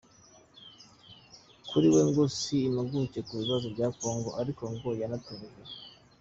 Kuri we ngo si impuguke ku bibazo bya Congo ariko ngo yaratunguwe.